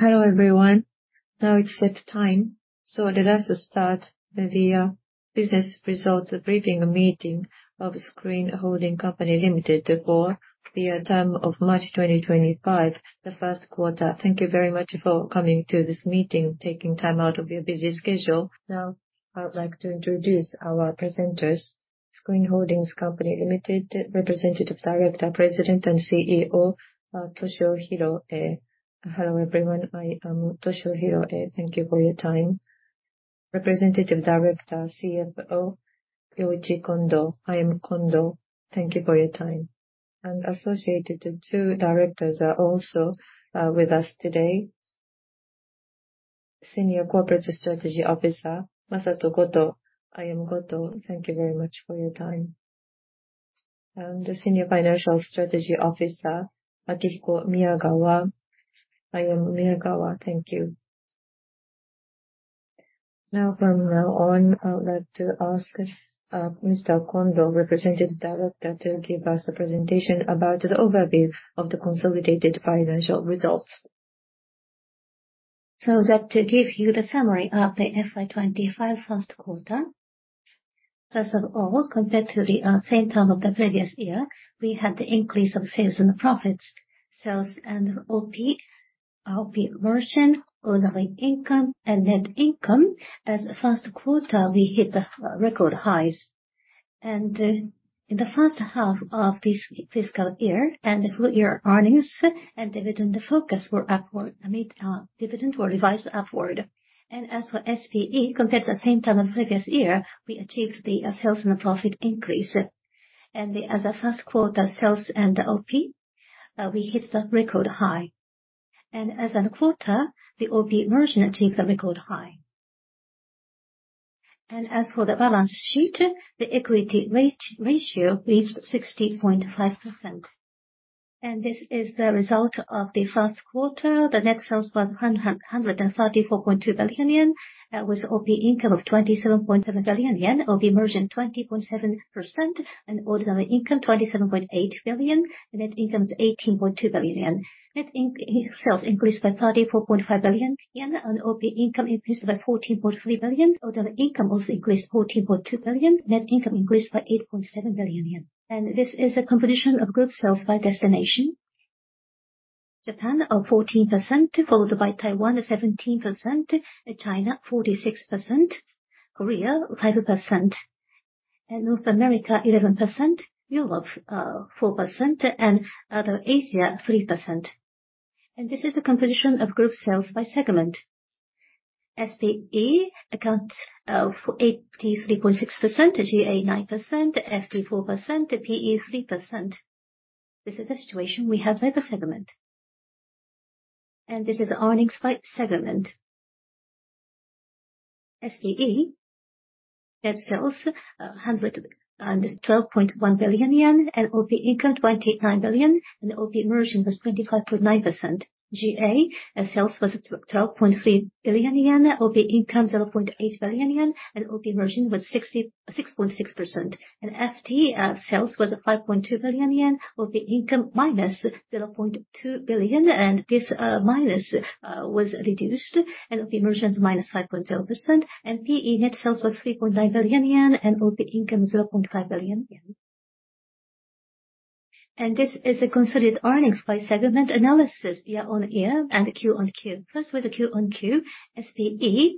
Hello, everyone. Now it's set time, so let us start the business results briefing meeting of SCREEN Holdings Company Limited. for the term of March 2025, the first quarter. Thank you very much for coming to this meeting, taking time out of your busy schedule. Now, I would like to introduce our presenters. SCREEN Holdings Company Limited, Representative Director, President, and CEO, Toshio Hiroe. Hello, everyone. I am Toshio Hiroe. Thank you for your time. Representative Director, CFO, Yoichi Kondo. I am Kondo. Thank you for your time. And associated, the two directors are also with us today. Senior Corporate Strategy Officer, Masato Goto. I am Goto. Thank you very much for your time. And the Senior Financial Strategy Officer, Akihiko Miyagawa. I am Miyagawa. Now, from now on, I would like to ask, Mr. Kondo, Representative Director, to give us a presentation about the overview of the consolidated financial results. So I'd like to give you the summary of the FY 2025 first quarter. First of all, compared to the same time of the previous year, we had the increase of sales and profits, sales and OP, OP margin, ordinary income, and net income. As for the first quarter, we hit the record highs. And in the first half of this fiscal year, and the full year earnings and dividend forecast were upward, I mean, dividend were revised upward. And as for SPE, compared to the same time of the previous year, we achieved the sales and profit increase. And as for the first quarter, sales and OP, we hit the record high. And as for the quarter, the OP margin achieved a record high. And as for the balance sheet, the equity rate, ratio reached 60.5%. This is the result of the first quarter. The net sales was 134.2 billion yen, with OP income of 27.7 billion yen, OP margin 20.7%, and ordinary income 27.8 billion, net income is 18.2 billion yen. Net sales increased by 34.5 billion yen, and OP income increased by 14.3 billion. Ordinary income also increased 14.2 billion. Net income increased by 8.7 billion yen. This is a composition of group sales by destination. Japan, 14%, followed by Taiwan, 17%, China, 46%, Korea, 5%, and North America, 11%, Europe, 4%, and other Asia, 3%. This is the composition of group sales by segment. SPE accounts for 83.6%, GA 9%, FT 4%, PE 3%. This is the situation we have by the segment. This is the earnings by segment. SPE net sales 112.1 billion yen, and OP income 29 billion, and the OP margin was 25.9%. GA sales was 12.3 billion yen, OP income 0.8 billion yen, and OP margin was 66.6%. FT sales was 5.2 billion yen, OP income -0.2 billion, and this minus was reduced, and OP margin is -5.0%. PE net sales was 3.9 billion yen and OP income 0.5 billion yen. This is a consolidated earnings by segment analysis, year-on-year and Q-on-Q. First, with the Q on Q, SPE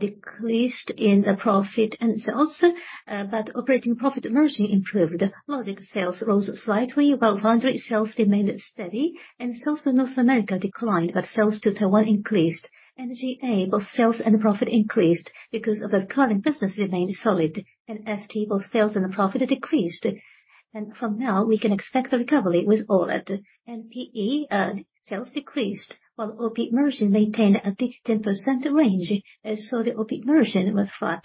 decreased in the profit and sales, but operating profit margin improved. Logic sales rose slightly, while foundry sales remained steady, and sales to North America declined, but sales to Taiwan increased. And GA, both sales and profit increased because of the current business remained solid. And FT, both sales and profit decreased, and from now, we can expect a recovery with OLED. And PE, sales decreased, while OP margin maintained a double-digit % range, and so the OP margin was flat.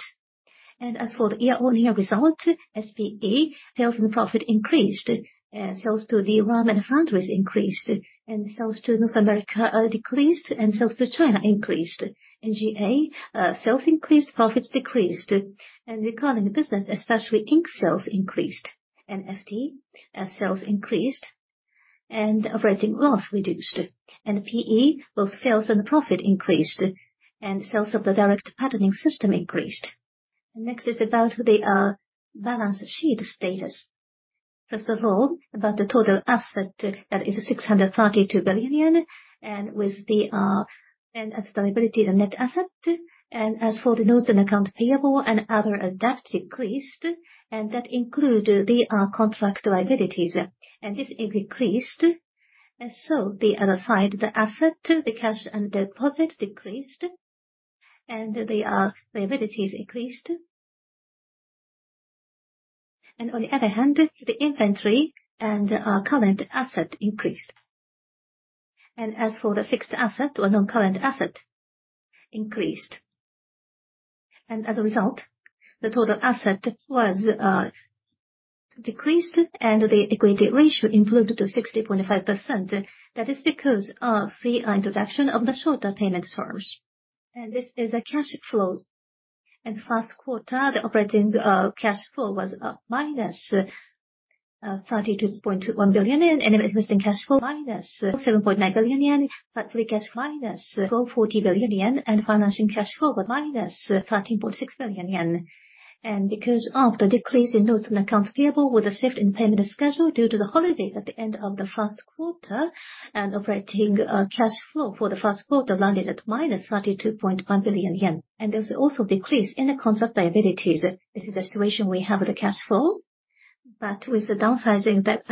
And as for the year-on-year results, SPE, sales and profit increased, sales to the DRAM and foundries increased, and sales to North America decreased, and sales to China increased. And GA, sales increased, profits decreased, and the current business, especially ink sales, increased. And FT, sales increased, and operating loss reduced. PE, both sales and profit increased, and sales of the Direct Patterning System increased. Next is about the balance sheet status. First of all, about the total assets, that is 632 billion yen, and the net assets and liabilities. As for the notes and accounts payable and other debt increased, and that includes the contract liabilities, and this increased. So on the other side, the assets, the cash and deposits decreased, and the liabilities increased. On the other hand, the inventory and current assets increased. As for the fixed assets or non-current assets, increased. As a result, the total assets decreased, and the equity ratio improved to 60.5%. That is because of the introduction of the shorter payment terms. This is the cash flows. In first quarter, the operating cash flow was -32.1 billion yen, and investing cash flow -7.9 billion yen, but free cash flow -12.4 billion yen, and financing cash flow -13.6 billion yen. And because of the decrease in notes and accounts payable with a shift in payment schedule due to the holidays at the end of the first quarter, and operating cash flow for the first quarter landed at -32.1 billion yen. And there's also decrease in accounts of liabilities. This is the situation we have with the cash flow. But with the downsizing that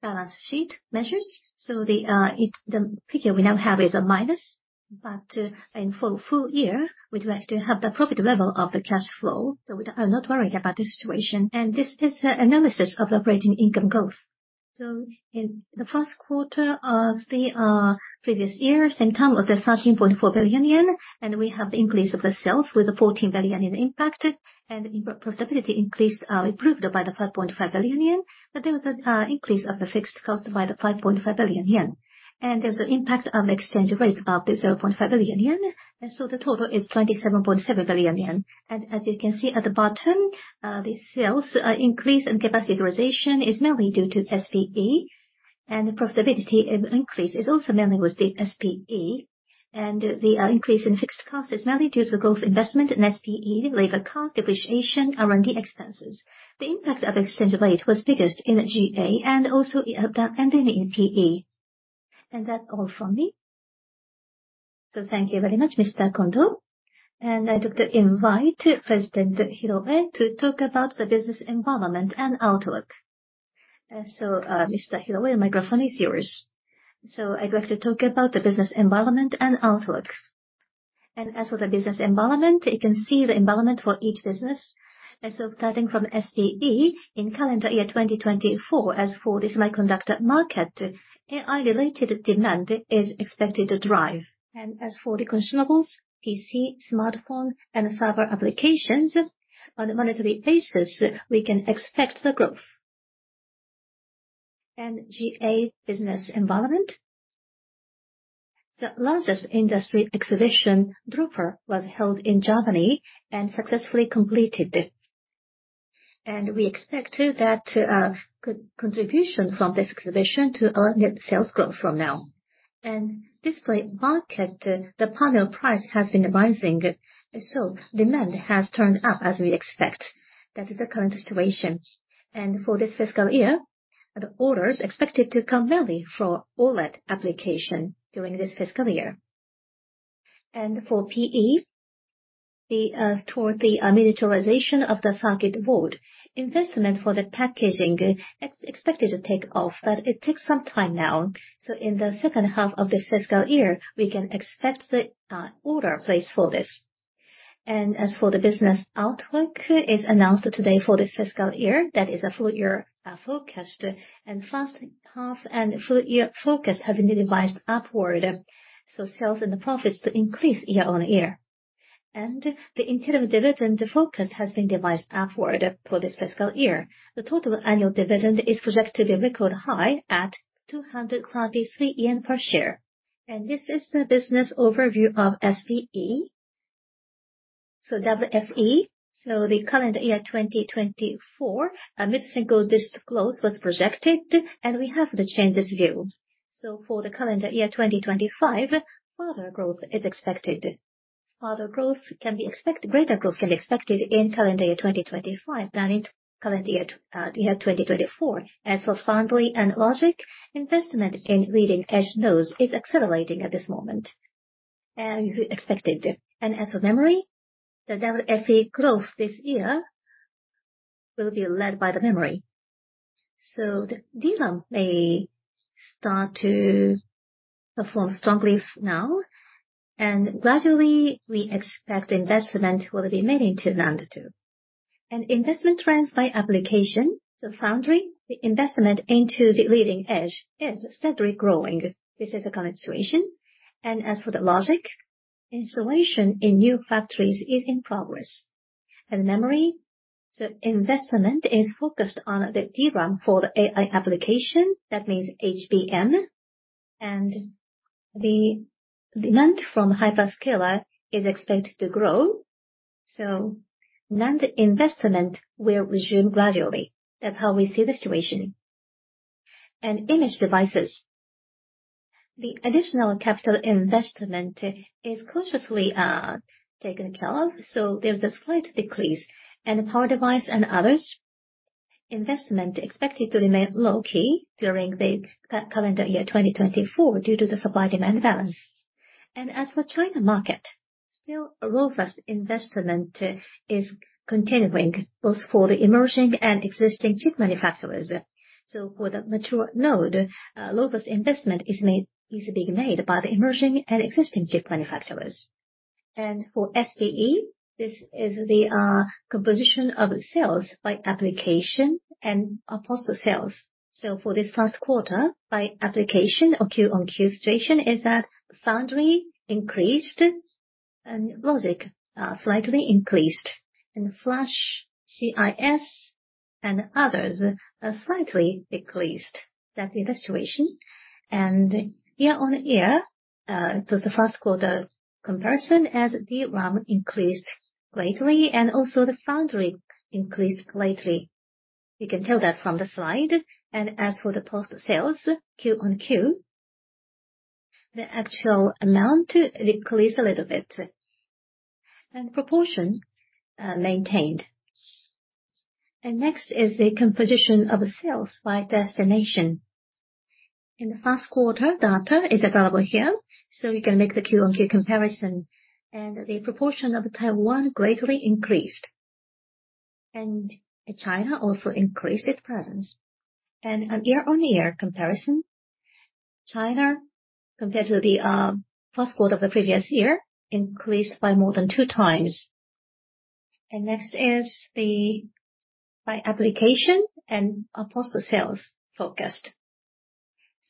balance sheet measures, so the it the figure we now have is a minus. But in for full year, we'd like to have the profit level of the cash flow, so we are not worried about the situation. And this is the analysis of operating income growth. So in the first quarter of the previous year, same time, was the 13.4 billion yen, and we have the increase of the sales with the 14 billion yen impacted, and profitability increased, improved by the 5.5 billion yen. But there was a increase of the fixed cost by the 5.5 billion yen, and there was an impact of exchange rate of the 0.5 billion yen, and so the total is 27.7 billion yen. As you can see at the bottom, the sales increase and capacity utilization is mainly due to SPE, and the profitability increase is also mainly with the SPE. The increase in fixed cost is mainly due to the growth investment in SPE, labor cost, depreciation, R&D expenses. The impact of exchange rate was biggest in GA and also in PE. That's all for me. So thank you very much, Mr. Kondo. I'd like to invite President Hiroe to talk about the business environment and outlook. Mr. Hiroe, microphone is yours. So I'd like to talk about the business environment and outlook. As for the business environment, you can see the environment for each business. So starting from SPE, in calendar year 2024, as for the semiconductor market, AI-related demand is expected to drive. And as for the consumables, PC, smartphone, and server applications, on a monetary basis, we can expect the growth. And GA business environment, the largest industry exhibition, Drupa, was held in Germany and successfully completed. And we expect, too, that co-contribution from this exhibition to earn sales growth from now. And display market, the panel price has been rising, so demand has turned up as we expect. That is the current situation. And for this fiscal year, the order is expected to come mainly from OLED application during this fiscal year. And for PE, toward the miniaturization of the circuit board, investment for the packaging expected to take off, but it takes some time now. So in the second half of this fiscal year, we can expect the order place for this. As for the business outlook, it's announced today for this fiscal year, that is a full year forecast, and first half and full year forecast have been revised upward, so sales and the profits increase year-on-year. The interim dividend forecast has been revised upward for this fiscal year. The total annual dividend is projected to be a record high at 233 yen per share. This is the business overview of SPE. So DRAM FE, so the calendar year 2024, a mid-single-digit growth was projected, and we have the changes view. So for the calendar year 2025, further growth is expected. Greater growth can be expected in calendar year 2025 than in calendar year 2024. As for foundry and logic, investment in leading-edge nodes is accelerating at this moment, as expected. And as for memory, the DRAM FE growth this year will be led by the memory. So the DRAM may start to perform strongly now, and gradually, we expect investment will be made into NAND, too. And investment trends by application to foundry, the investment into the leading edge is steadily growing. This is the current situation. And as for the logic, installation in new factories is in progress. And memory, the investment is focused on the DRAM for the AI application, that means HBM, and the demand from hyperscaler is expected to grow, so NAND investment will resume gradually. That's how we see the situation. And image devices, the additional capital investment is cautiously taken care of, so there's a slight decrease. Power device and others, investment expected to remain low-key during the calendar year 2024 due to the supply-demand balance. As for China market, still robust investment is continuing, both for the emerging and existing chip manufacturers. For the mature node, robust investment is made, is being made by the emerging and existing chip manufacturers. For SPE, this is the composition of sales by application and post-sales. For this first quarter, by application or Q-on-Q situation, is that foundry increased and logic slightly increased, and flash, CIS, and others slightly decreased. That is the situation. Year-on-year, it was the first quarter comparison as DRAM increased greatly, and also the foundry increased greatly. You can tell that from the slide. As for the post-sales Q-on-Q, the actual amount decreased a little bit, and proportion maintained. Next is the composition of sales by destination. In the first quarter, data is available here, so you can make the Q-on-Q comparison. The proportion of Taiwan greatly increased, and China also increased its presence. A year-on-year comparison, China, compared to the first quarter of the previous year, increased by more than 2 times. Next is the by application and post-sales forecast.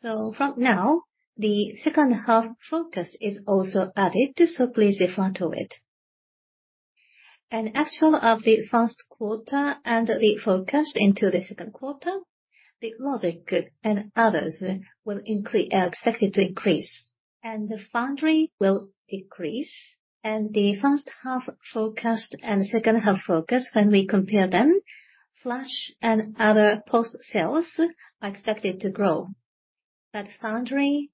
So from now, the second half forecast is also added, so please refer to it. Actual of the first quarter and the forecast into the second quarter, the logic and others are expected to increase, and the foundry will decrease. The first half forecast and second half forecast, when we compare them, flash and other post-sales are expected to grow, but foundry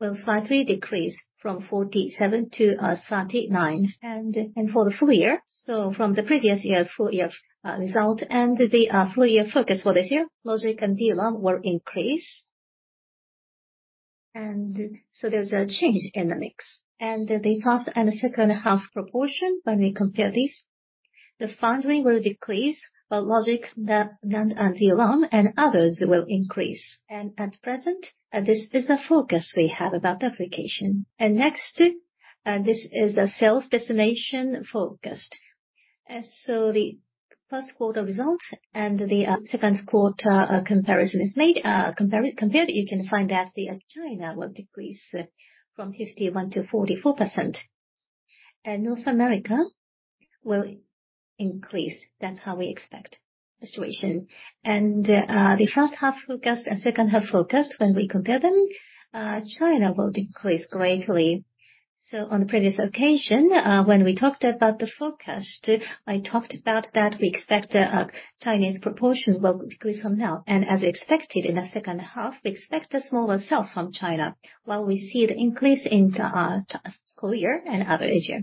will slightly decrease from 47 to 39. For the full year, so from the previous year full year result and the full year forecast for this year, logic and DRAM will increase. So there's a change in the mix. And the first and second half proportion, when we compare these, the foundry will decrease, but logic, DRAM, and DRAM and others will increase. And at present, this is the forecast we have about the application. And next, this is a sales destination forecast. And so the first quarter results and the second quarter comparison is made, you can find that the China will decrease from 51% to 44%. And North America will increase. That's how we expect the situation. And the first half forecast and second half forecast, when we compare them, China will decrease greatly. On the previous occasion, when we talked about the forecast, I talked about that we expect Chinese proportion will decrease from now. As expected, in the second half, we expect a smaller sales from China, while we see the increase in South Korea and other Asia.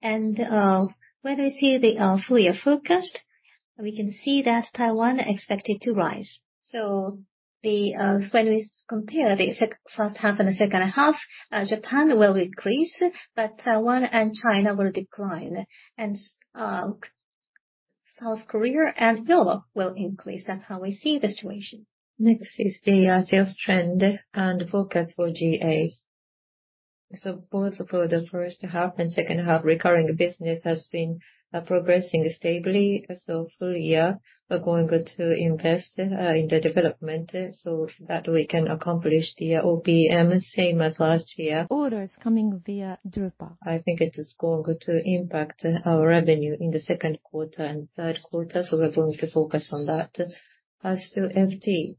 When we see the full year forecast, we can see that Taiwan expected to rise. When we compare the first half and the second half, Japan will increase, but Taiwan and China will decline, and South Korea and Europe will increase. That's how we see the situation. Next is the sales trend and forecast for GA. So both for the first half and second half, recurring business has been progressing stably. So full year, we're going to invest in the development so that we can accomplish the OPM, same as last year. Orders coming via Drupa. I think it is going to impact our revenue in the second quarter and third quarter, so we're going to focus on that. As to FT,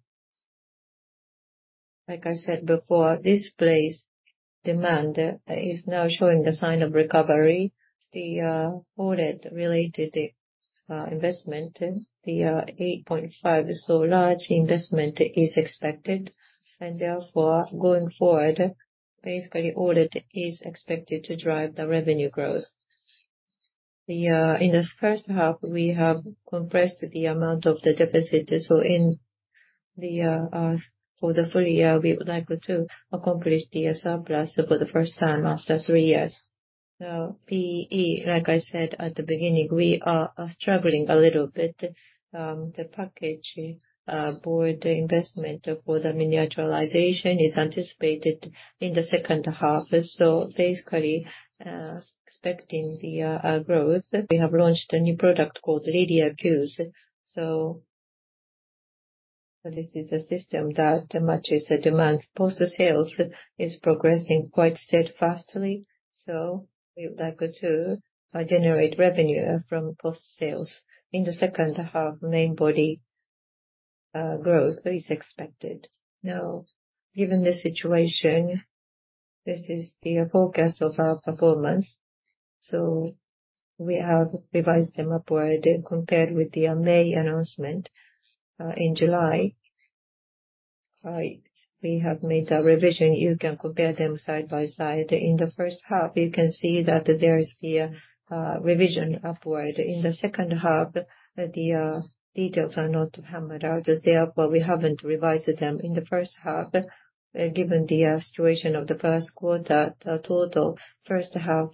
like I said before, the pace of demand is now showing the sign of recovery. The OLED-related investment, the 8.5 or so large investment is expected. And therefore, going forward, basically, OLED is expected to drive the revenue growth. In the first half, we have compressed the amount of the deficit, so for the full year, we would like to accomplish the surplus for the first time after three years. Now, PE, like I said at the beginning, we are struggling a little bit. The package board investment for the miniaturization is anticipated in the second half, so basically, expecting the growth. We have launched a new product called Ledia Qs. So, this is a system that matches the demand. Post-sales is progressing quite steadfastly, so we would like to generate revenue from post-sales. In the second half, main body growth is expected. Now, given the situation, this is the forecast of our performance. So we have revised them upward compared with the May announcement. In July, we have made a revision. You can compare them side by side. In the first half, you can see that there is the revision upward. In the second half, the details are not hammered out, therefore, we haven't revised them. In the first half, given the situation of the first quarter, the total first half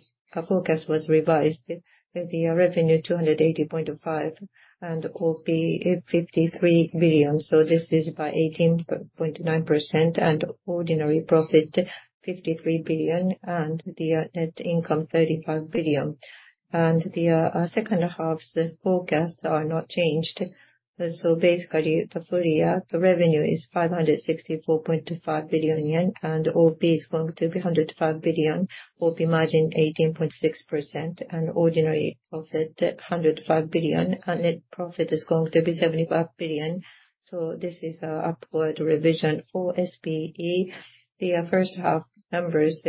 forecast was revised. The revenue, 280.5 billion, and OP, 53 billion, so this is by 18.9%, and ordinary profit, 53 billion, and the second half's forecast are not changed. So basically, the full year, the revenue is 564.5 billion yen, and OP is going to be 105 billion, OP margin 18.6%, and ordinary profit, 105 billion, and net profit is going to be 75 billion. So this is our upward revision for SPE. The first half numbers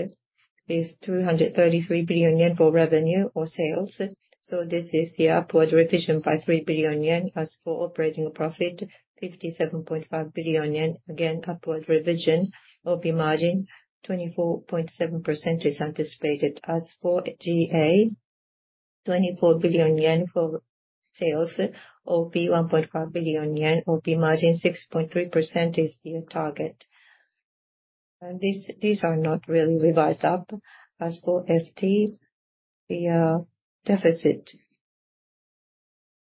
is 333 billion yen for revenue or sales, so this is the upward revision by 3 billion yen. As for operating profit, 57.5 billion yen, again, upward revision. OP margin, 24.7% is anticipated. As for GA 24 billion yen for sales, OP 1.5 billion yen, OP margin 6.3% is the target. And these, these are not really revised up. As for FT, the deficit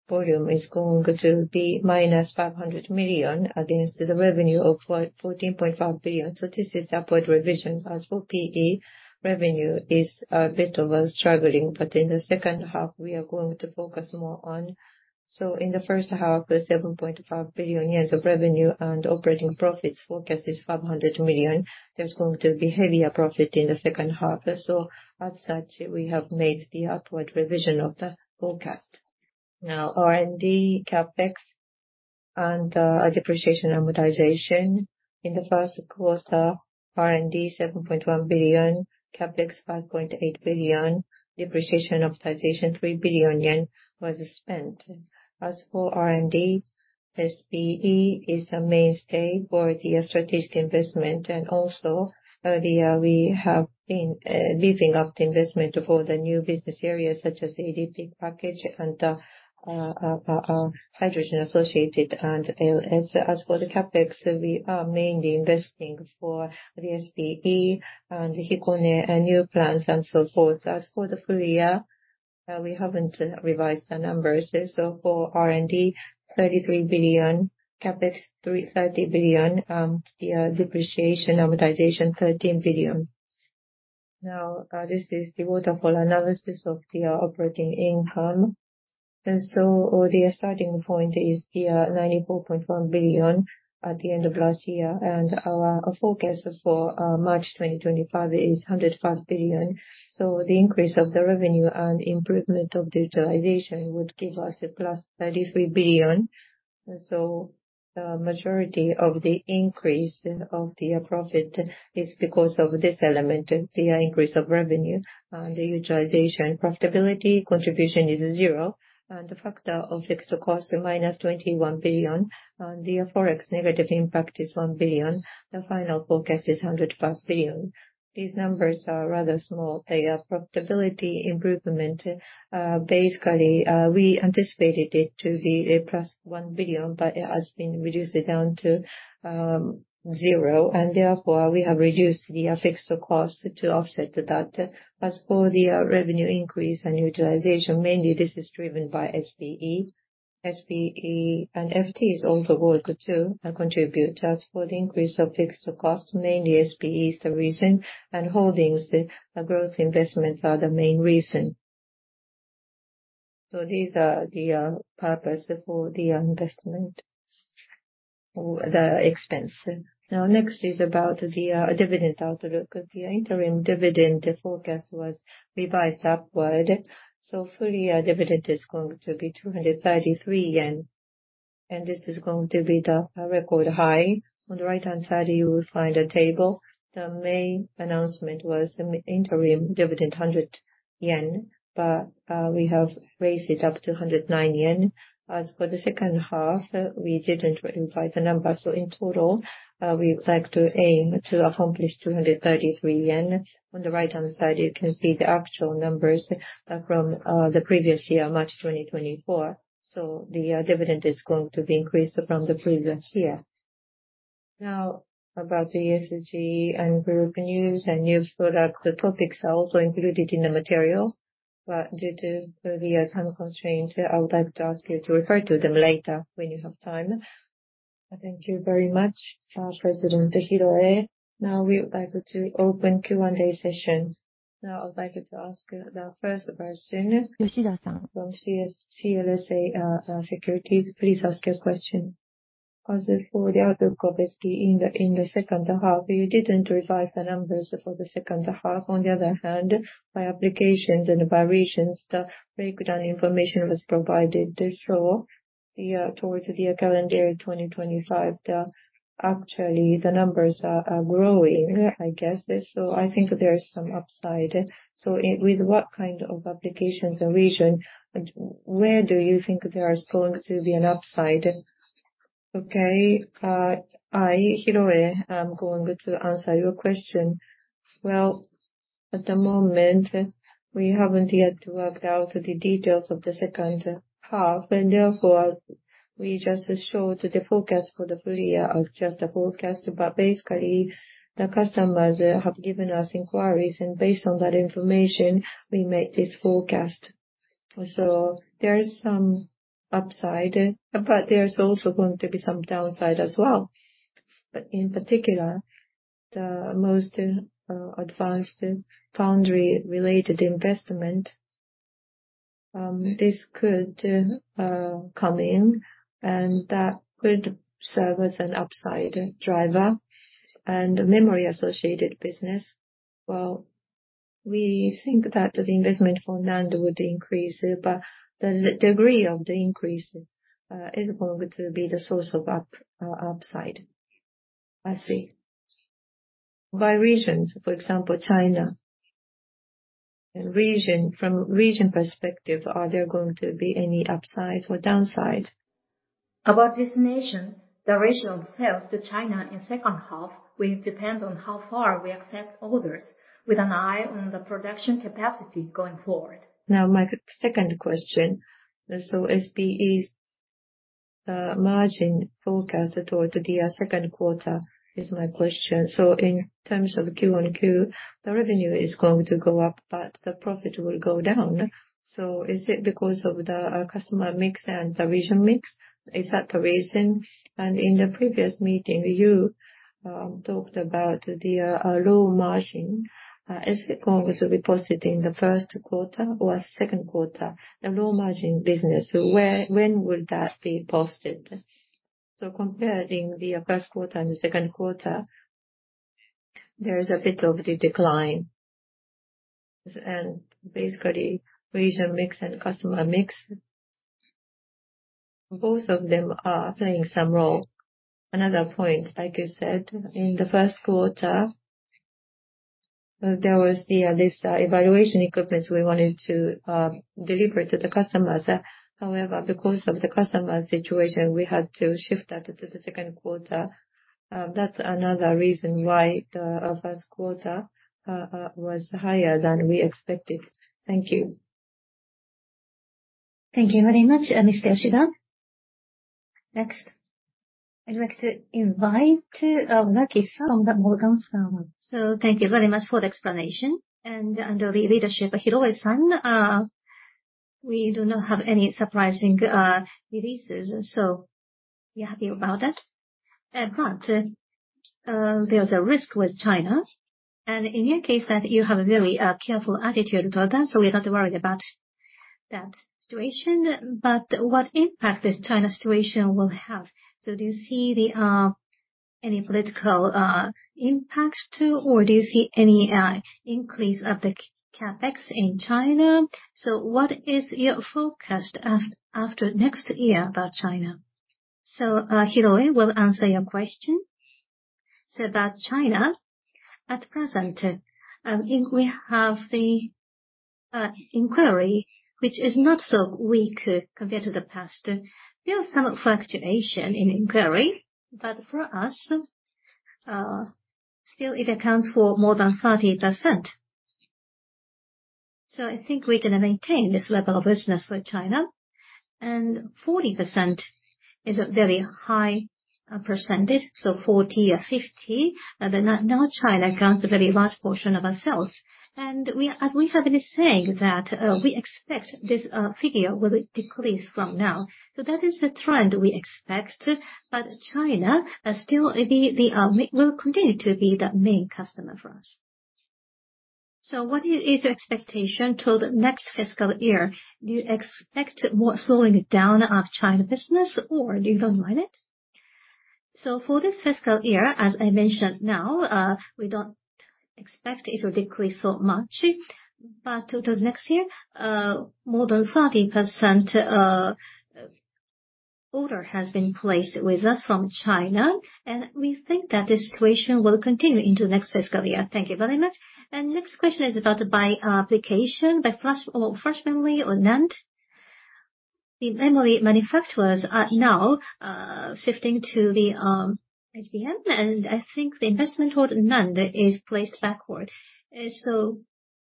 volume is going to be -500 million against the revenue of 14.5 billion. So this is upward revision. As for PE, revenue is a bit of a struggling, but in the second half, we are going to focus more on. So in the first half, the 7.5 billion yen of revenue and operating profits forecast is 500 million. There's going to be heavier profit in the second half. So as such, we have made the upward revision of the forecast. Now, R&D, CapEx and depreciation amortization. In the first quarter, R&D, 7.1 billion, CapEx, 5.8 billion, depreciation amortization, 3 billion yen was spent. As for R&D, SPE is a mainstay for the strategic investment. And also, earlier, we have been leaving up the investment for the new business areas such as ADP package and hydrogen associated and LS. As for the CapEx, we are mainly investing for the SPE and Hikone and new plants and so forth. As for the full year, we haven't revised the numbers. So for R&D, 33 billion, CapEx, 33 billion, and the depreciation amortization, 13 billion. Now, this is the waterfall analysis of the operating income. And so the starting point is the 94.1 billion at the end of last year, and our forecast for March 2025 is 105 billion. So the increase of the revenue and improvement of the utilization would give us +33 billion. So the majority of the increase of the profit is because of this element, the increase of revenue and the utilization. Profitability contribution is zero, and the factor of fixed cost, -21 billion, and the Forex negative impact is 1 billion. The final forecast is 105 billion. These numbers are rather small. The profitability improvement, basically, we anticipated it to be a +1 billion, but it has been reduced down to zero, and therefore, we have reduced the fixed cost to offset that. As for the revenue increase and utilization, mainly this is driven by SPE. SPE and FT is also going to contribute. As for the increase of fixed cost, mainly SPE is the reason, and holdings, the growth investments are the main reason. So these are the purpose for the investment, or the expense. Now, next is about the dividend outlook. The interim dividend forecast was revised upward, so full year dividend is going to be 233 yen, and this is going to be the record high. On the right-hand side, you will find a table. The main announcement was in the interim dividend, 100 yen, but we have raised it up to 109 yen. As for the second half, we didn't revise the numbers, so in total, we would like to aim to accomplish 233 yen. On the right-hand side, you can see the actual numbers from the previous year, March 2024. So the dividend is going to be increased from the previous year. Now, about the ESG and group news and new product, the topics are also included in the material, but due to the time constraints, I would like to ask you to refer to them later when you have time. Thank you very much, President Hiroe. Now, we would like to open Q&A session. Now, I would like to ask the first person—Yoshida-san. From CLSA Securities, please ask your question. As for the outlook, obviously, in the second half, you didn't revise the numbers for the second half. On the other hand, by applications and by regions, the breakdown information was provided. So, towards the calendar year 2025, actually, the numbers are growing, I guess. So I think there is some upside. So with what kind of applications and region, and where do you think there is going to be an upside? Okay. I, Hiroe, I'm going to answer your question. Well, at the moment, we haven't yet worked out the details of the second half, and therefore, we just showed the forecast for the full year as just a forecast. But basically, the customers have given us inquiries, and based on that information, we made this forecast. So there is some upside, but there's also going to be some downside as well. But in particular, the most advanced foundry-related investment, this could come in, and that could serve as an upside driver. And memory-associated business, well, we think that the investment for NAND would increase, but the degree of the increase is going to be the source of upside. I see. By regions, for example, China. In region, from region perspective, are there going to be any upsides or downsides? About destination, the ratio of sales to China in second half will depend on how far we accept orders, with an eye on the production capacity going forward. Now, my second question. So SPE's margin forecast toward the second quarter is my question. So in terms of Q on Q, the revenue is going to go up, but the profit will go down. So is it because of the customer mix and the region mix? Is that the reason? And in the previous meeting, you talked about the low margin. Is it going to be posted in the first quarter or second quarter? The low margin business, when will that be posted? So comparing the first quarter and the second quarter, there is a bit of the decline. And basically, region mix and customer mix, both of them are playing some role. Another point, like you said, in the first quarter, there was this evaluation equipment we wanted to deliver to the customers. However, because of the customer situation, we had to shift that to the second quarter. That's another reason why the first quarter was higher than we expected. Thank you. Thank you very much, Ms. Yoshida. Next, I'd like to invite Wadaki from Morgan Stanley. So thank you very much for the explanation. And under the leadership of Hiroe-san, we do not have any surprising releases, so we are happy about that. But there's a risk with China, and in your case that you have a very careful attitude toward that, so we're not worried about that situation. But what impact this China situation will have? So do you see the any political impacts too, or do you see any increase of the CapEx in China? So what is your forecast after next year about China? Hiroe will answer your question. So about China, at present, we have the inquiry, which is not so weak compared to the past. There are some fluctuation in inquiry, but for us, still it accounts for more than 30%. So I think we're gonna maintain this level of business with China, and 40% is a very high percentage, so 40 or 50, the now China accounts a very large portion of our sales. And we, as we have been saying that, we expect this figure will decrease from now. So that is the trend we expect, but China is still the, the, will continue to be the main customer for us. So what is your expectation toward next fiscal year? Do you expect more slowing down of China business, or do you don't mind it? So for this fiscal year, as I mentioned now, we don't expect it will decrease so much. But toward next year, more than 30%, order has been placed with us from China, and we think that the situation will continue into next fiscal year. Thank you very much. And next question is about by application, by flash or flash memory or NAND. The memory manufacturers are now shifting to the HBM, and I think the investment toward NAND is placed backward. So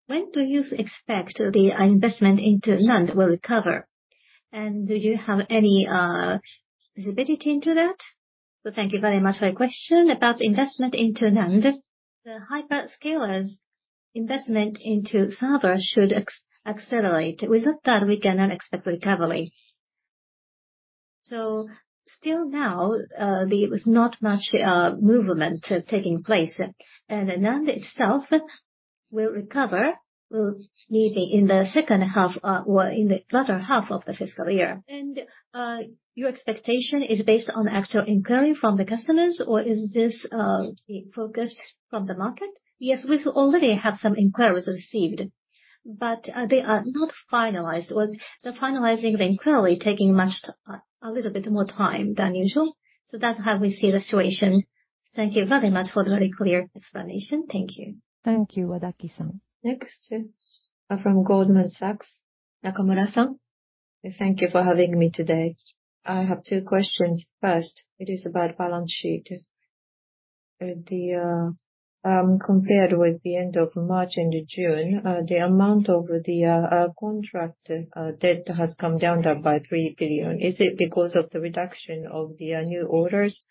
when do you expect the investment into NAND will recover? And do you have any visibility into that? So thank you very much for your question about investment into NAND. The hyperscalers' investment into server should accelerate. Without that, we cannot expect recovery. So still now, there is not much movement taking place, and the NAND itself will recover, will maybe in the second half, or in the latter half of the fiscal year. And, your expectation is based on actual inquiry from the customers, or is this, the forecast from the market? Yes, we already have some inquiries received, but, they are not finalized, or the finalizing the inquiry taking much, a little bit more time than usual. So that's how we see the situation. Thank you very much for the very clear explanation. Thank you. Thank you, Wadaki-san. Next is from Goldman Sachs. Nakamura-san? Thank you for having me today. I have two questions. First, it is about balance sheet. Compared with the end of March into June, the amount of the contract debt has come down by 3 billion. Is it because of the reduction of the new orders,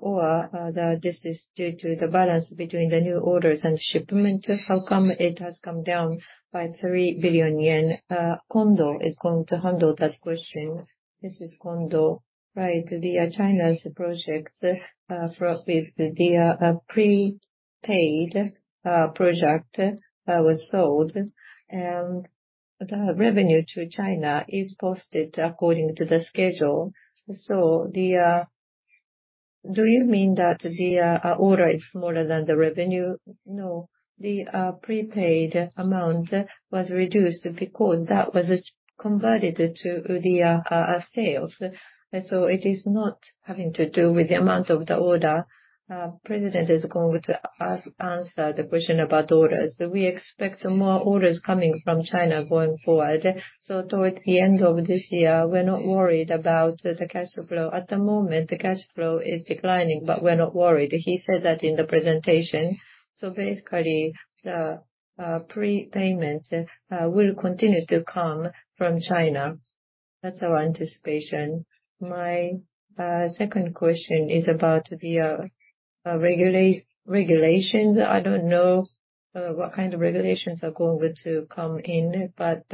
or this is due to the balance between the new orders and shipment? How come it has come down by 3 billion yen? Kondo is going to handle that question. This is Kondo. Right, the China's project for with the prepaid project was sold, and the revenue to China is posted according to the schedule. So the... Do you mean that the order is smaller than the revenue? No, the prepaid amount was reduced because that was converted to the sales. And so it is not having to do with the amount of the order. President is going to answer the question about orders. We expect more orders coming from China going forward. So toward the end of this year, we're not worried about the cash flow. At the moment, the cash flow is declining, but we're not worried. He said that in the presentation. So basically, the prepayment will continue to come from China. That's our anticipation. My second question is about the regulations. I don't know what kind of regulations are going to come in, but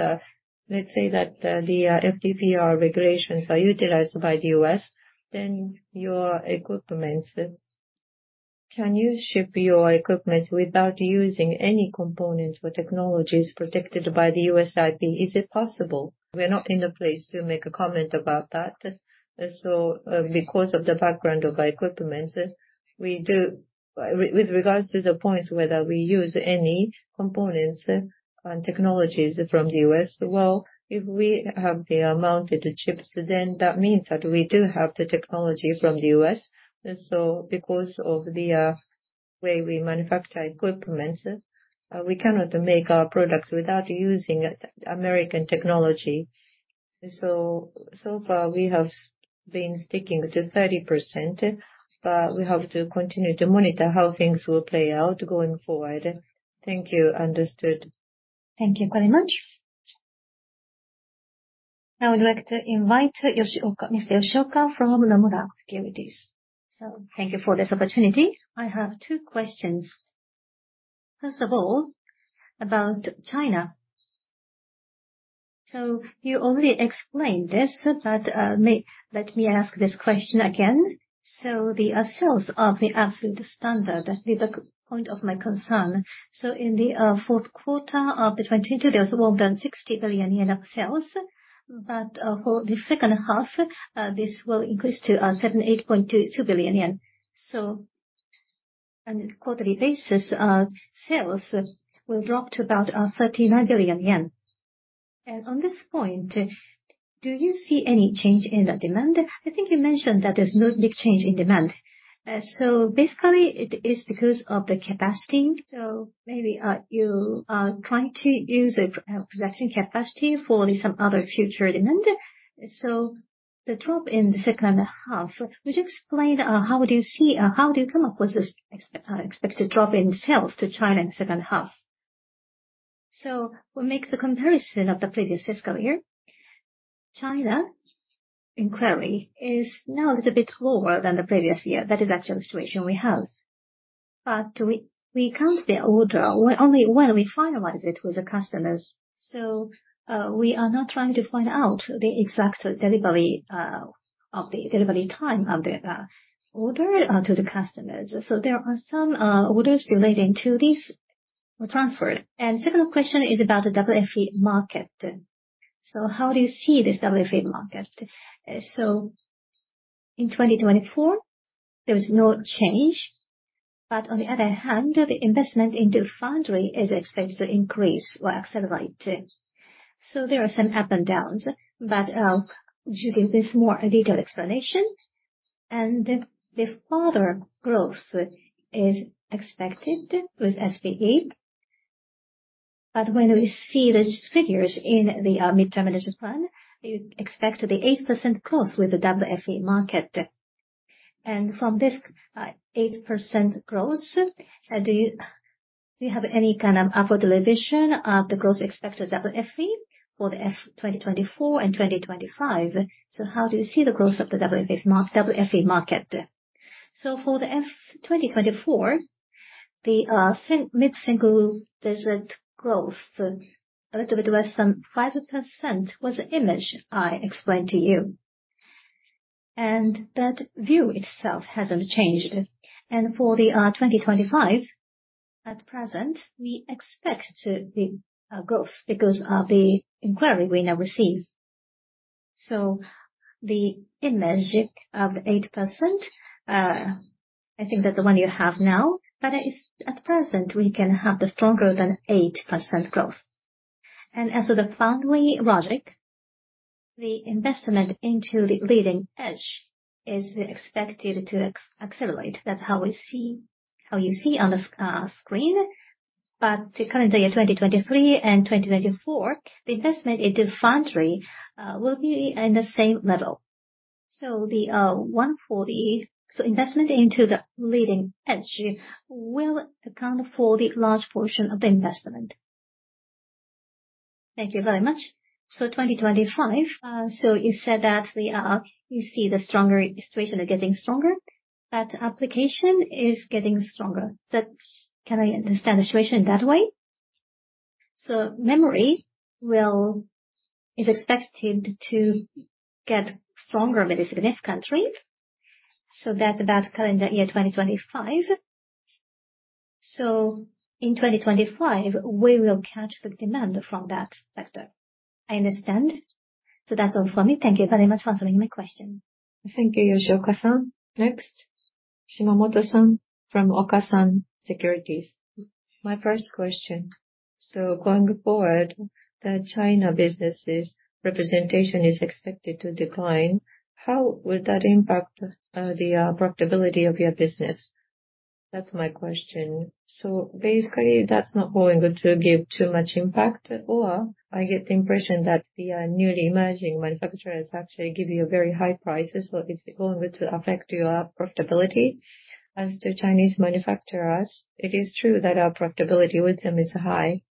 let's say that the FDPR regulations are utilized by the U.S., then your equipments, can you ship your equipment without using any components or technologies protected by the U.S. IP? Is it possible? We're not in a place to make a comment about that. So, because of the background of our equipments, we do with regards to the point whether we use any components and technologies from the U.S., well, if we have the amount of the chips, then that means that we do have the technology from the U.S. So because of the way we manufacture equipments, we cannot make our products without using American technology. So, so far, we have been sticking to 30%, but we have to continue to monitor how things will play out going forward. Thank you. Understood. Thank you very much. Now I would like to invite Yoshioka, Mr. Yoshioka from Nomura Securities. So thank you for this opportunity. I have two questions. First of all, about China. So you already explained this, but let me ask this question again. So the sales of the semiconductor is the point of my concern. So in the fourth quarter of 2022, there was more than 60 billion yen of sales, but for the second half, this will increase to 78.2 billion yen. So on a quarterly basis, sales will drop to about 39 billion yen. And on this point, do you see any change in the demand? I think you mentioned that there's no big change in demand. So basically, it is because of the capacity, so maybe you are trying to use production capacity for some other future demand. So the drop in the second half, would you explain how do you come up with this expected drop in sales to China in the second half? So we'll make the comparison of the previous fiscal year. China inquiry is now a little bit lower than the previous year. That is actually the situation we have. But we count the order only when we finalize it with the customers, so we are not trying to find out the exact delivery of the delivery time of the order to the customers. So there are some orders relating to this were transferred. And second question is about the WFE market. So how do you see this WFE market? So in 2024, there was no change, but on the other hand, the investment into foundry is expected to increase or accelerate. So there are some ups and downs, but would you give this more a detailed explanation? And the further growth is expected with SPE, but when we see the figures in the mid-term business plan, we expect the 8% growth with the WFE market. And from this 8% growth, do you have any kind of upper division of the growth expected WFE for the F 2024 and 2025? So how do you see the growth of the WFE market? So for the F 2024, the mid single digit growth, a little bit less than 5%, was the image I explained to you, and that view itself hasn't changed. For 2025, at present, we expect the growth because of the inquiry we now receive. So the image of 8%, I think that's the one you have now, but at present, we can have stronger than 8% growth. And as of the foundry logic, the investment into the leading edge is expected to accelerate. That's how we see, how you see on the screen. But currently, in 2023 and 2024, the investment into foundry will be in the same level. So the 140, so investment into the leading edge will account for the large portion of the investment. Thank you very much. So 2025, so you said that you see the stronger situation is getting stronger, but application is getting stronger. That, can I understand the situation that way? So memory will... is expected to get stronger with the significant countries, so that's about calendar year 2025. So in 2025, we will catch the demand from that sector. I understand. So that's all for me. Thank you very much for answering my question. Thank you, Yoshioka-san. Next, Shimamoto-san from Okasan Securities. My first question: So going forward, the China business' representation is expected to decline. How would that impact the profitability of your business? That's my question. So basically, that's not going to give too much impact, or I get the impression that the newly emerging manufacturers actually give you a very high prices, so it's going to affect your profitability. As to Chinese manufacturers, it is true that our profitability with them is high,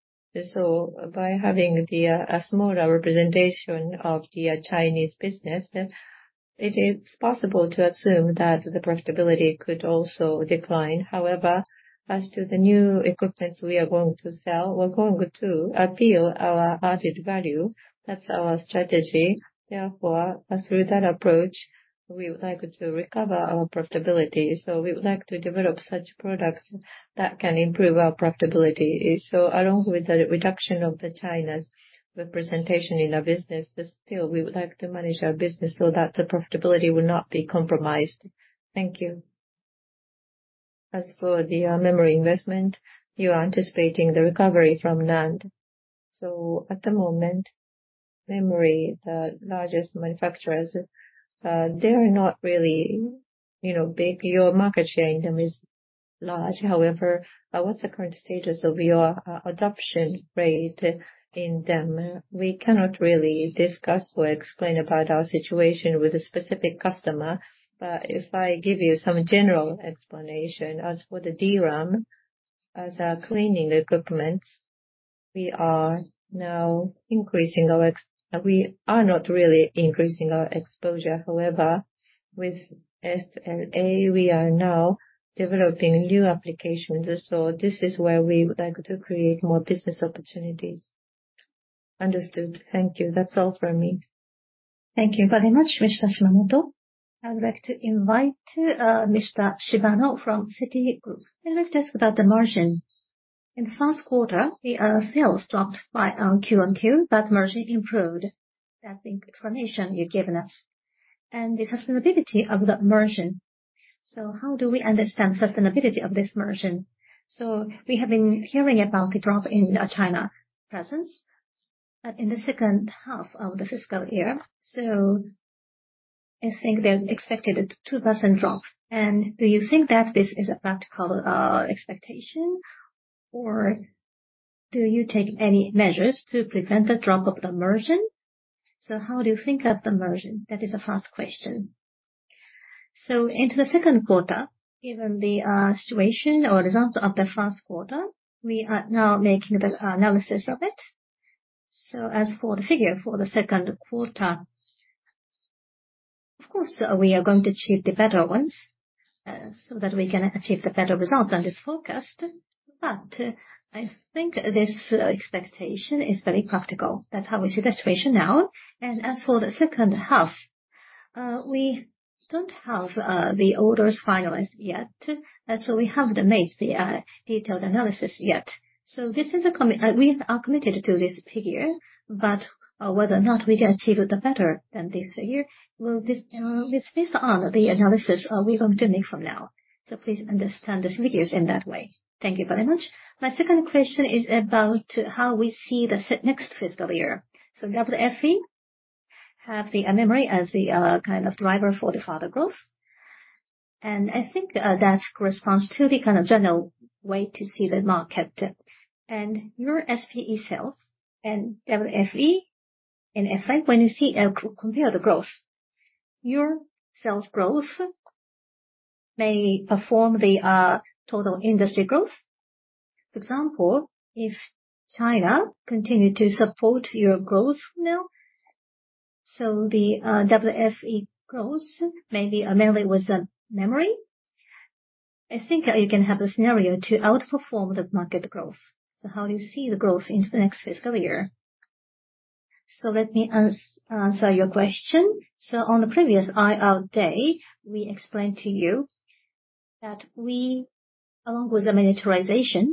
so by having the smaller representation of the Chinese business, then- It is possible to assume that the profitability could also decline. However, as to the new equipments we are going to sell, we're going to appeal our added value. That's our strategy. Therefore, through that approach, we would like to recover our profitability. So we would like to develop such products that can improve our profitability. So along with the reduction of the China's representation in our business, but still, we would like to manage our business so that the profitability will not be compromised. Thank you. As for the memory investment, you are anticipating the recovery from NAND. So at the moment, memory, the largest manufacturers, they are not really, you know, big. Your market share in them is large. However, what's the current status of your adoption rate in them? We cannot really discuss or explain about our situation with a specific customer. If I give you some general explanation, as for the DRAM, as our cleaning equipment, we are not really increasing our exposure. However, with FLA, we are now developing new applications, so this is where we would like to create more business opportunities. Understood. Thank you. That's all from me. Thank you very much, Mr. Shimamoto. I would like to invite Mr. Shibano from Citigroup. I'd like to ask about the margin. In the first quarter, the sales dropped by Q on Q, but margin improved. That's the explanation you've given us. And the sustainability of the margin, so how do we understand sustainability of this margin? So we have been hearing about the drop in China presence, but in the second half of the fiscal year, so I think they expected a 2% drop. And do you think that this is a practical expectation, or do you take any measures to prevent the drop of the margin? So how do you think of the margin? That is the first question. So into the second quarter, given the situation or results of the first quarter, we are now making the analysis of it. As for the figure for the second quarter, of course, we are going to achieve the better ones, so that we can achieve the better result than this forecast. But I think this expectation is very practical. That's how we see the situation now. As for the second half, we don't have the orders finalized yet, so we haven't made the detailed analysis yet. This is—we are committed to this figure, but whether or not we can achieve it the better than this figure, well, this, it's based on the analysis we're going to make from now. Please understand the figures in that way. Thank you very much. My second question is about how we see the next fiscal year. So WFE have the memory as the, kind of driver for the further growth, and I think, that corresponds to the kind of general way to see the market. And your SPE sales and WFE and FI, when you see, compare the growth, your sales growth may perform the, total industry growth. For example, if China continue to support your growth now, so the, WFE growth may be mainly with the memory. I think you can have the scenario to outperform the market growth. So how do you see the growth into the next fiscal year? So let me answer your question. So on the previous IR day, we explained to you that we, along with the miniaturization,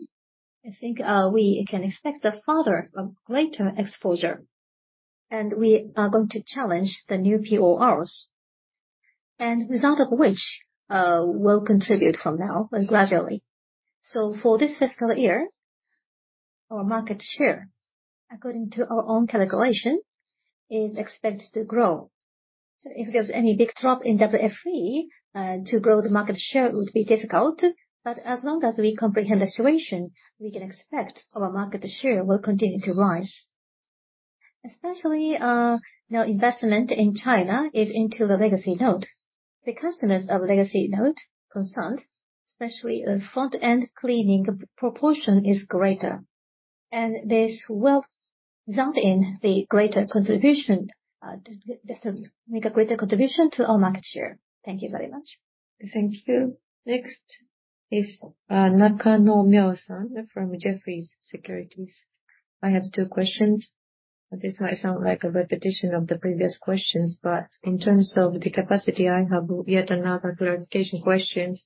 I think, we can expect a further, a greater exposure, and we are going to challenge the new PORs, and result of which, will contribute from now but gradually. So for this fiscal year, our market share, according to our own calculation, is expected to grow. So if there's any big drop in WFE, to grow the market share, it would be difficult. But as long as we comprehend the situation, we can expect our market share will continue to rise. Especially, now investment in China is into the legacy node. The customers of legacy node concerned, especially a front-end cleaning proportion, is greater, and this will result in the greater contribution, this will make a greater contribution to our market share. Thank you very much. Thank you. Next is, Nakanomyo-san from Jefferies Securities. I have 2 questions. This might sound like a repetition of the previous questions, but in terms of the capacity, I have yet another clarification questions.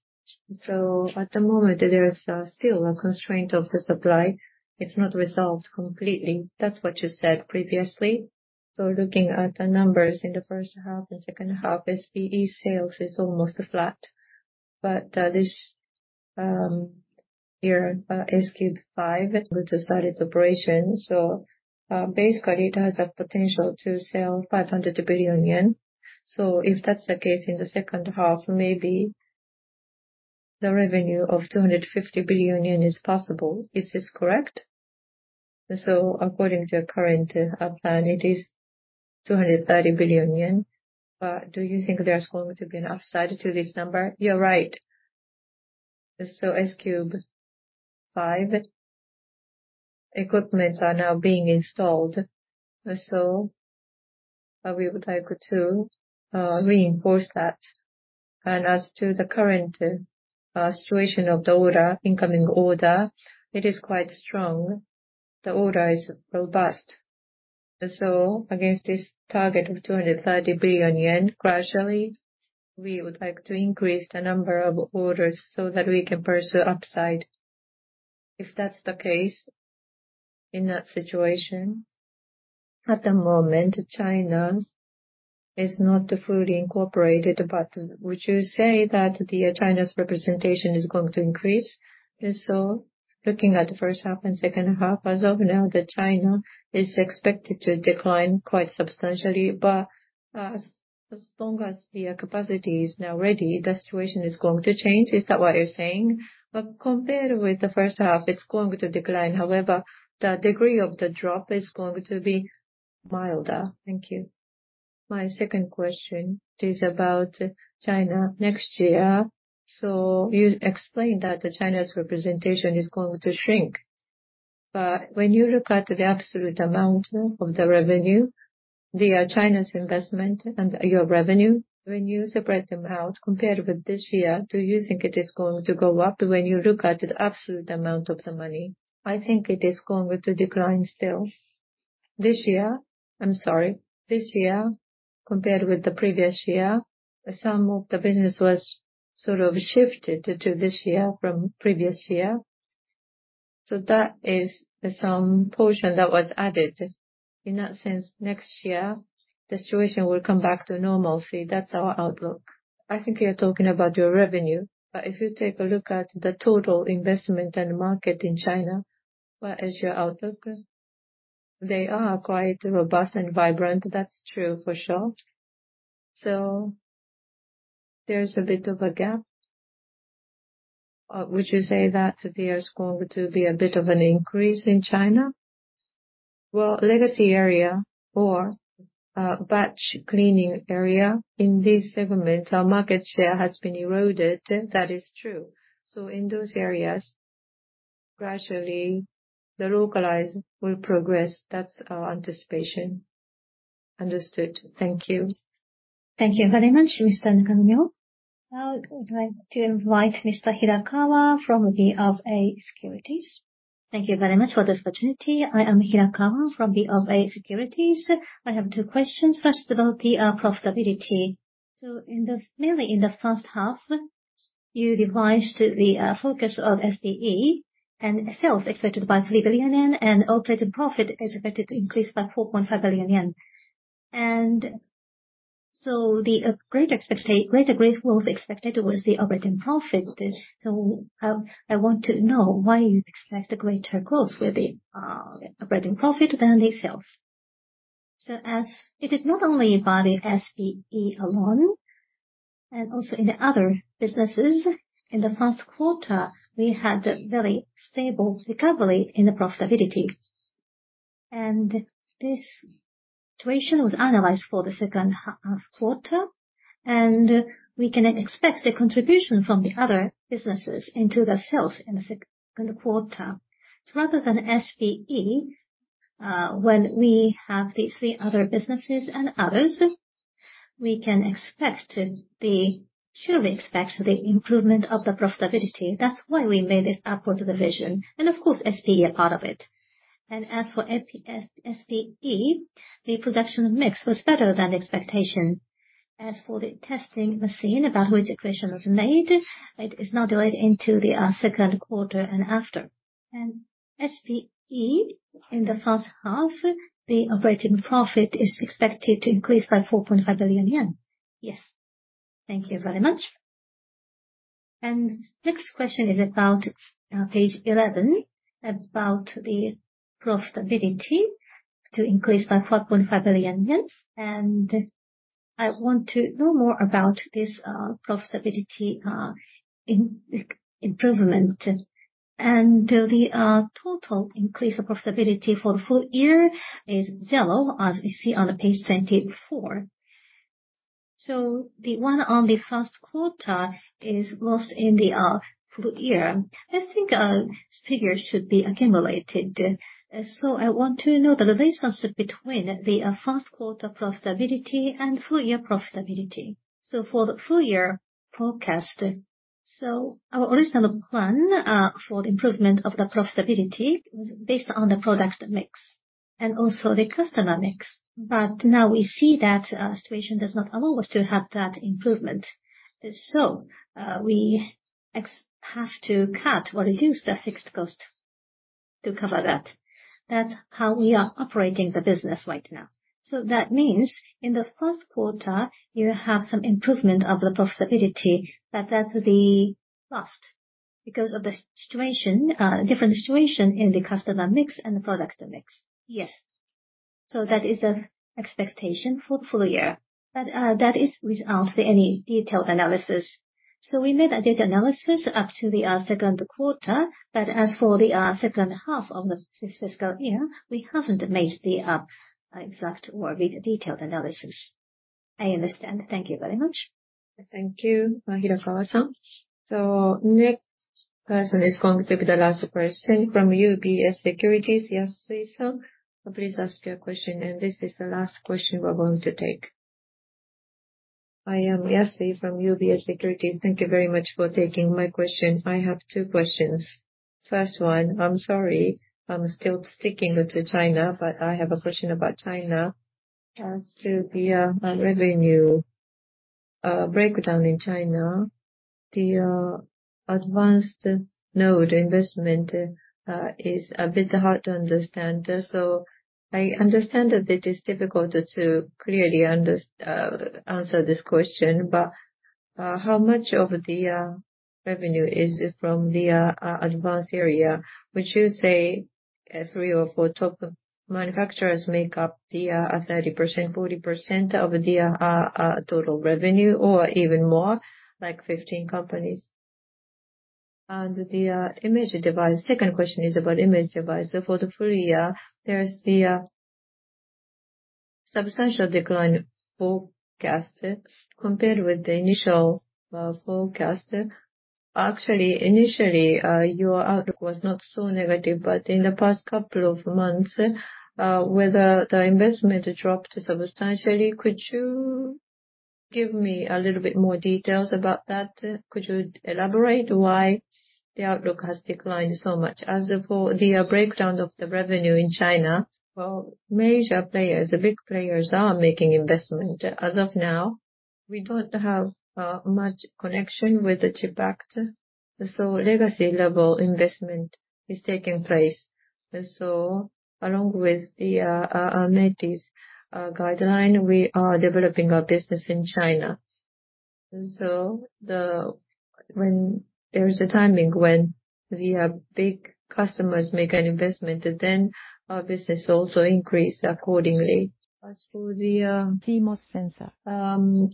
So at the moment, there is still a constraint of the supply. It's not resolved completely. That's what you said previously. So looking at the numbers in the first half and second half, SPE sales is almost flat. But this year, S-Cube 5, which has started its operation, so basically, it has a potential to sell 500 billion yen. So if that's the case, in the second half, maybe the revenue of 250 billion yen is possible. Is this correct? So according to your current plan, it is 230 billion yen. Do you think there's going to be an upside to this number? You're right. So S-Cube 5 equipment is now being installed. So, we would like to reinforce that. And as to the current situation of the order, incoming order, it is quite strong. The order is robust. So against this target of 230 billion yen, gradually, we would like to increase the number of orders so that we can pursue upside. If that's the case, in that situation, at the moment, China is not fully incorporated, but would you say that the, China's representation is going to increase? And so looking at the first half and second half, as of now, the China is expected to decline quite substantially. But, as, as long as the capacity is now ready, the situation is going to change. Is that what you're saying? Well, compared with the first half, it's going to decline. However, the degree of the drop is going to be milder. Thank you. My second question is about China next year. So you explained that China's representation is going to shrink, but when you look at the absolute amount of the revenue, the China's investment and your revenue, when you separate them out, compared with this year, do you think it is going to go up when you look at the absolute amount of the money? I think it is going to decline still. This year... I'm sorry, this year, compared with the previous year, some of the business was sort of shifted to this year from previous year. So that is the same portion that was added. In that sense, next year, the situation will come back to normalcy. That's our outlook. I think you're talking about your revenue, but if you take a look at the total investment and market in China, what is your outlook? They are quite robust and vibrant. That's true for sure. So there's a bit of a gap. Would you say that there's going to be a bit of an increase in China? Well, legacy area or batch cleaning area, in this segment, our market share has been eroded, and that is true. So in those areas, gradually, the localize will progress. That's our anticipation. Understood. Thank you. Thank you very much, Mr. Nakanomyo. Now I would like to invite Mr. Hirakawa from BofA Securities. Thank you very much for this opportunity. I am Hirakawa from BofA Securities. I have two questions. First about the profitability. So, mainly in the first half, you revised the focus on SPE, and sales expected by 3 billion yen, and operating profit is expected to increase by 4.5 billion yen. And so the greater growth expected was the operating profit. So I want to know why you expect the greater growth with the operating profit than the sales? So as it is not only by the SPE alone, and also in the other businesses, in the first quarter, we had a very stable recovery in the profitability. And this situation was analyzed for the second half quarter, and we can expect the contribution from the other businesses into the sales in the second quarter. So rather than SPE, when we have the three other businesses and others, we can expect surely the improvement of the profitability. That's why we made this upward revision, and of course, SPE are part of it. And as for FP- S- SPE, the production mix was better than expectation. As for the testing machine, about which equation was made, it is now delayed into the second quarter and after. And SPE, in the first half, the operating profit is expected to increase by 4.5 billion yen? Yes. Thank you very much. And next question is about page 11, about the profitability to increase by 4.5 billion yen. And I want to know more about this profitability in improvement. And the total increase of profitability for the full year is zero, as we see on the page 24. So the one on the first quarter is lost in the, full year. I think, figures should be accumulated. So I want to know the relationship between the, first quarter profitability and full year profitability. So for the full year forecast, so our original plan, for the improvement of the profitability was based on the product mix and also the customer mix. But now we see that, situation does not allow us to have that improvement. So, we have to cut or reduce the fixed cost to cover that. That's how we are operating the business right now. So that means in the first quarter, you have some improvement of the profitability, but that will be lost because of the situation, different situation in the customer mix and the product mix? Yes. So that is the expectation for the full year. But, that is without any detailed analysis. So we made a data analysis up to the second quarter, but as for the second half of the fiscal year, we haven't made the exact or detailed analysis.... I understand. Thank you very much. Thank you, Hirakawa-san. So next person is going to be the last person from UBS Securities, Yasui-san, please ask your question, and this is the last question we are going to take. I am Yasui from UBS Securities. Thank you very much for taking my question. I have two questions. First one, I'm sorry, I'm still sticking to China, but I have a question about China. As to the revenue breakdown in China, the advanced node investment is a bit hard to understand. So I understand that it is difficult to clearly answer this question, but how much of the revenue is from the advanced area? Would you say 3 or 4 top manufacturers make up the 30%-40% of the total revenue, or even more, like 15 companies? And the image device. Second question is about image device. So for the full year, there is the substantial decline forecast compared with the initial forecast. Actually, initially, your outlook was not so negative, but in the past couple of months, whether the investment dropped substantially, could you give me a little bit more details about that? Could you elaborate why the outlook has declined so much? As for the breakdown of the revenue in China, well, major players, the big players, are making investment. As of now, we don't have much connection with the CHIPS Act, so legacy-level investment is taking place. So along with the METI's guideline, we are developing our business in China. So when there is a timing when the big customers make an investment, then our business also increase accordingly. As for the CMOS sensor?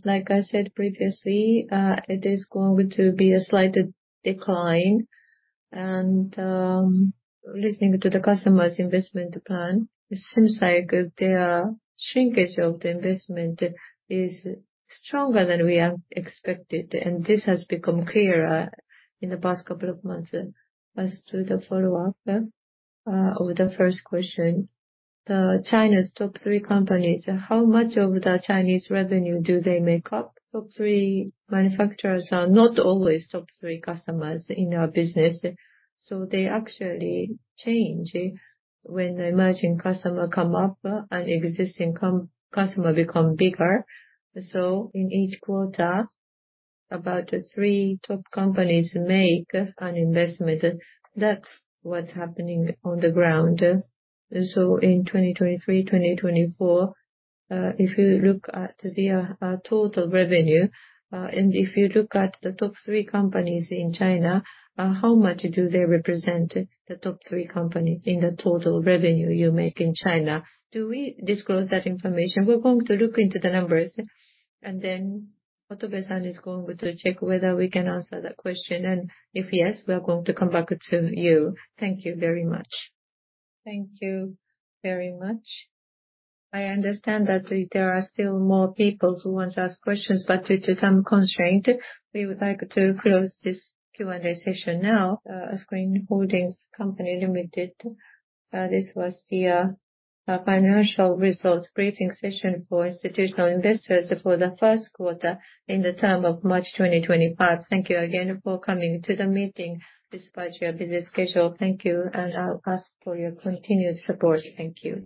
Like I said previously, it is going to be a slight decline. Listening to the customers' investment plan, it seems like the shrinkage of the investment is stronger than we have expected, and this has become clearer in the past couple of months. As to the follow-up of the first question, the China's top three companies, how much of the Chinese revenue do they make up? Top three manufacturers are not always top three customers in our business, so they actually change when the emerging customer come up and existing customer become bigger. So in each quarter, about three top companies make an investment. That's what's happening on the ground. So in 2023, 2024, if you look at the, total revenue, and if you look at the top 3 companies in China, how much do they represent, the top 3 companies, in the total revenue you make in China? Do we disclose that information? We're going to look into the numbers, and then Watanabe-san is going to check whether we can answer that question, and if yes, we are going to come back to you. Thank you very much. Thank you very much. I understand that there are still more people who want to ask questions, but due to time constraint, we would like to close this Q&A session now. SCREEN Holdings Company Limited., this was the financial results briefing session for institutional investors for the first quarter in the term of March 2025. Thank you again for coming to the meeting despite your busy schedule. Thank you, and I'll ask for your continued support. Thank you